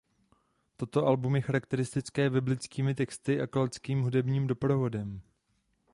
Toto album je charakteristické biblickými texty a keltským hudebním doprovodem.